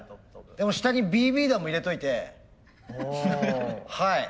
でも下にＢＢ弾も入れといてはい。